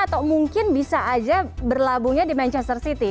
atau mungkin bisa aja berlabuhnya di manchester city